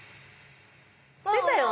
出たよね？